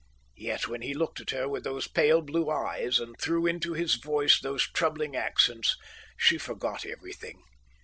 Yet when he looked at her with those pale blue eyes, and threw into his voice those troubling accents, she forgot everything.